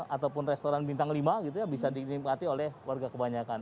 ataupun restoran bintang lima bisa dinikmati oleh warga kebanyakan